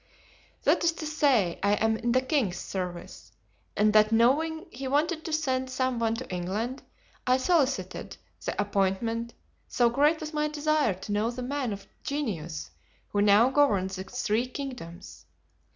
"That is to say I am in the king's service, and that knowing he wanted to send some one to England, I solicited the appointment, so great was my desire to know the man of genius who now governs the three kingdoms.